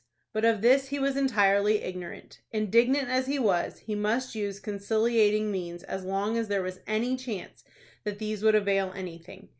But of this he was entirely ignorant. Indignant as he was, he must use conciliating means as long as there was any chance that these would avail anything.